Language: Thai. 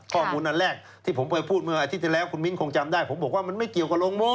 อันแรกที่ผมเคยพูดเมื่ออาทิตย์ที่แล้วคุณมิ้นคงจำได้ผมบอกว่ามันไม่เกี่ยวกับโรงโม้